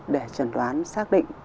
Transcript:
để chẩn đoán xác định